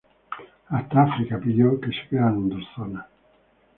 Hasta África pidió se crearan dos zonas.